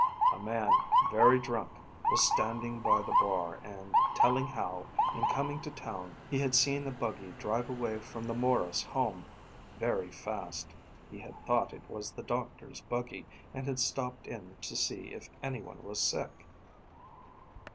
A man, very drunk, was standing by the bar, and telling how, in coming to town, he had seen a buggy drive away from the Maurice home very fast. He had thought it was the doctor's buggy and had stopped in to see if any one was sick.